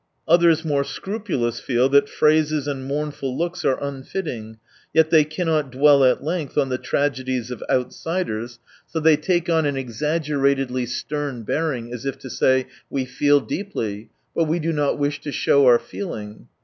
Others more scrupu lous feel that phrases and mournful looks are unfitting, yet they cannot dwell at length on the tragedies of outsiders, so they 170 take on an exaggeratedly stern bearing, as if to say, " We feel deeply, but we do not wish to show our feeling."